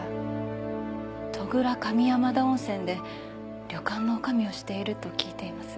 戸倉上山田温泉で旅館の女将をしていると聞いています。